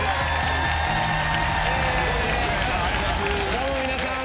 どうも皆さん。